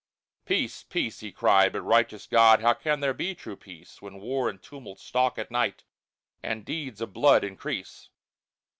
Peace, peace, he cried, but righteous God, How can there be true peace, When war and tumult stalk at night, And deeds of blood increase?